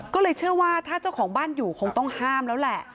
ก็เลยเชื่อว่าถ้าเจ้าของบ้านอยู่คงต้องห้ามแล้วแหละ